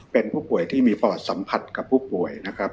เป็นผู้ป่วยที่มีปอดสัมผัสกับผู้ป่วยนะครับ